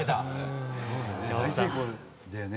大成功だよね。